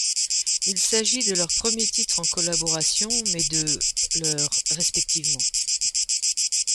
Il s'agit de leur premier titre en collaboration mais de leur respectivement.